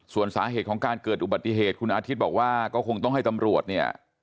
ส่วนสาเหตุของการเกิดอุบัติเหตุคุณอาทิตย์บอกว่าก็คงต้องให้ตำรวจเนี่ย